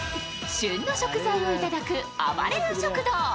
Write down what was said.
旬の食材を頂くあばれる食堂。